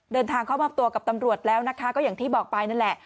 เดินทางเข้ามอบตัวกับตำรวจแล้วนะคะก็อย่างที่บอกไปนั่นแหละ